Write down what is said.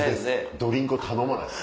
ドリンクを頼まないです。